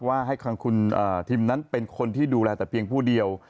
ว่าให้ทางคุณทิมนั้นเป็นคนที่ดูแลแต่เพียงผู้เดียว